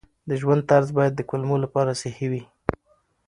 د ژوند طرز باید د کولمو لپاره صحي وي.